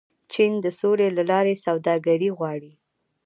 چین د سولې له لارې سوداګري غواړي.